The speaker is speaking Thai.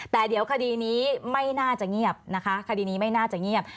แต่เดี๋ยวคดีนี้ไม่น่าจะเงียบนะคะคดีนี้ไม่น่าจะเงียบ